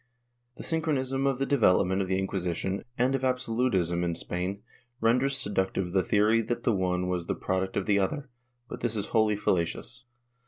^ The synchronism of the development of the Incjuisition and of absolutism in Spain renders seductive the theory that the one was the product of the other, but this is wholly fallacious.